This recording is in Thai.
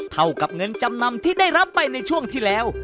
เท่ากับเงินจำนำที่ได้รับไปในช่วงที่แล้ว